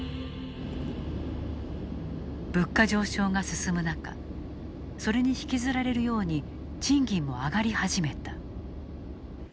物価上昇が進む中それに引きずられるように賃金も上がり始めた。